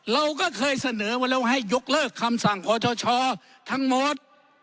เราก็เคยเสนอมาแล้วให้ยกเลิกคำสั่งขอชชทั้งหมด